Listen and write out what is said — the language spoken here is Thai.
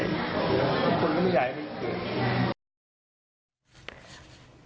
ทุกคนก็ไม่อยากให้มันเกิด